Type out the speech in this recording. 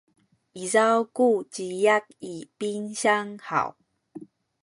izaw ku ciyak i pinsiyang haw?